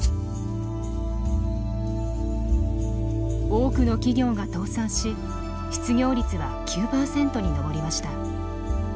多くの企業が倒産し失業率は９％に上りました。